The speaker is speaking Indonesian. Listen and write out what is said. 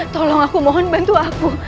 tolong aku mohon bantu aku